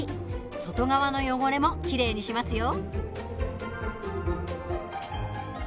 外側の汚れもきれいにしますよ。